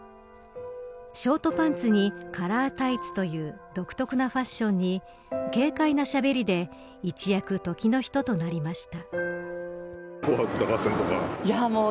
ショートパンツにカラータイツという独特なファッションに軽快なしゃべりで一躍、時の人となりました。